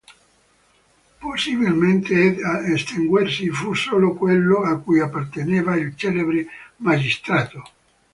Possibilmente ad estinguersi fu solo quello a cui apparteneva il celebre magistrato.